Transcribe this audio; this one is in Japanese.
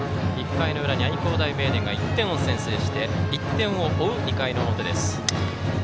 １回の裏に愛工大名電が１点を先制して、１点を追う２回の表です。